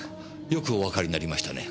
よくおわかりになりましたね